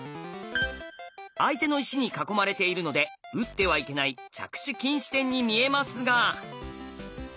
相手の石に囲まれているので打ってはいけない着手禁止点に見えますが。